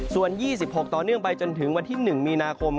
ส่วน๒๖ต่อเนื่องไปจนถึงวันที่๑มีนาคม